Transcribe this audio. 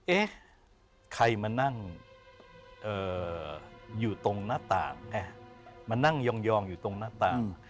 เอ๊ะใครมานั่งอยู่ตรงหน้าต่างมานั่งยองอยู่ตรงหน้าต่าง